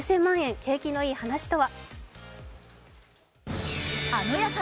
景気のイイ話とは。